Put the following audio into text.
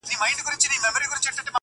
د دغي وحيي ګټه او اثر داوو.